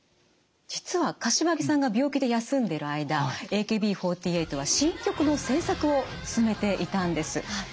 実は柏木さんが病気で休んでる間ＡＫＢ４８は新曲の制作を進めていたんです。